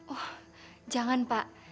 oh jangan pak